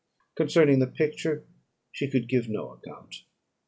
Concerning the picture she could give no account.